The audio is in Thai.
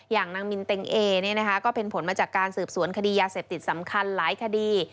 อย่างนางมินเต็งเอก็เป็นผลมาจากการสืบสวนคดียาเสพติดสำคัญหลายคดี